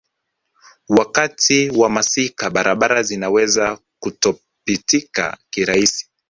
Wakati wa masika barabara zinaweza kutopitika kirahisi